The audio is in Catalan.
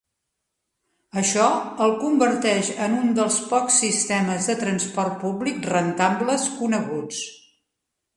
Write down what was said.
Això el converteix en un dels pocs sistemes de transport públic rentables coneguts.